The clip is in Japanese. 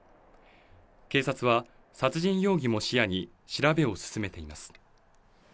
警察は殺人容疑も視野に入れ、調べを進めています。